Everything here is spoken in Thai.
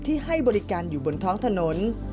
ให้บริการอยู่บนท้องถนน